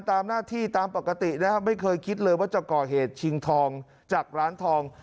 ตามหน้าที่ตามปกตินะครับไม่เคยคิดเลยว่าจะก่อเหตุชิงทองจากร้านทอง